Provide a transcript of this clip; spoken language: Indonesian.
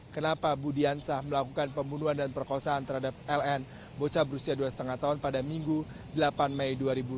kenapa budiansah melakukan pembunuhan dan perkosaan terhadap ln bocah berusia dua lima tahun pada minggu delapan mei dua ribu dua puluh